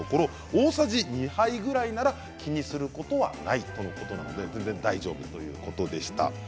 大さじ２杯ぐらいなら気にすることはないとのことなので全然大丈夫ということでした。